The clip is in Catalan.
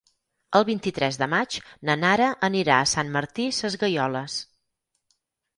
El vint-i-tres de maig na Nara anirà a Sant Martí Sesgueioles.